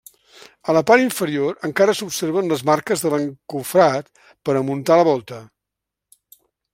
A la part inferior encara s’observen les marques de l’encofrat per a muntar la volta.